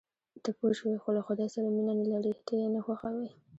ته پوه شوې، خو له خدای سره مینه نه لرې، ته یې نه خوښوې.